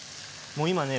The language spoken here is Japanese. もう今ね